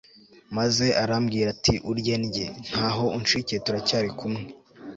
maze arambwira ati urye ndye ntaho uncikiye turacyari kumwe